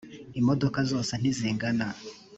imodoka zose ntizingana.